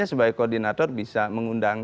sebagai koordinator bisa mengundang